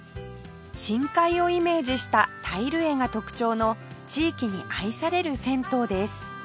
深海をイメージしたタイル絵が特徴の地域に愛される銭湯です